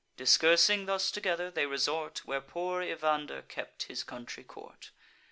Discoursing thus together, they resort Where poor Evander kept his country court.